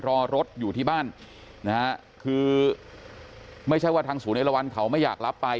รอรถอยู่ที่บ้านนะฮะคือไม่ใช่ว่าทางศูนย์เอลวันเขาไม่อยากรับไป